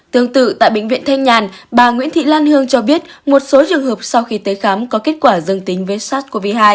tương tự tại bệnh viện thanh nhàn bà nguyễn thị lan hương cho biết một số trường hợp sau khi tới khám có kết quả dương tính với sars cov hai